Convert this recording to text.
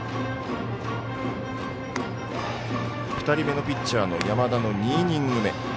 ２人目のピッチャーの山田の２イニング目。